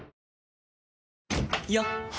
よっ！